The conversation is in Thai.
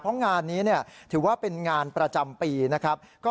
เพราะงานนี้ถือว่าเป็นงานประจำปีนะครับ